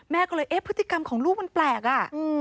แม่ก็เลยเอ๊ะพฤติกรรมของลูกมันแปลกอ่ะ